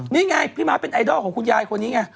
นี่ไงพี่ม้าเป็นไอดอลของคุณยายคนนี้ไง